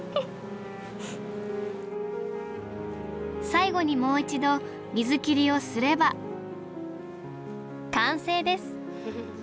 最後にもう一度水切りをすれば完成です！